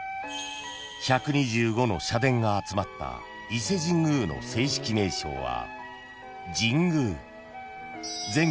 ［１２５の社殿が集まった伊勢神宮の正式名称は］